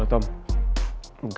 tante aku mau pergi